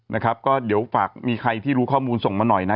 นะครับก็เดี๋ยวฝากมีใครที่รู้ข้อมูลส่งมาหน่อยนะ